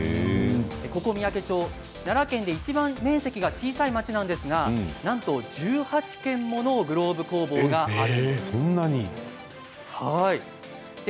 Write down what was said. ここ三宅町、奈良県でいちばん面積が小さい町なんですがなんと１８軒ものグローブ工房があるんです。